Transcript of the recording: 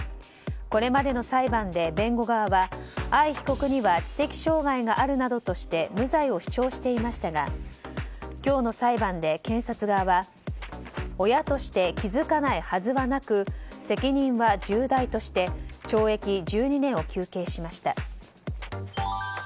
これまでの裁判で弁護側が藍被告には知的障害があるなどして無罪を主張していましたが今日の裁判で検察側は親として気づかないはずはなく責任は重大として懲役１２年を求刑しました。